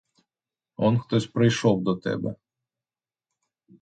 Он хтось прийшов до тебе.